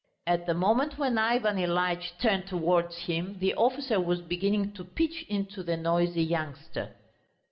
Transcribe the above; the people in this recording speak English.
At the moment when Ivan Ilyitch turned towards him, the officer was beginning to pitch into the noisy youngster.